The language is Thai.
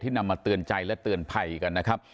นำมาเตือนใจและเตือนภัยกันนะครับ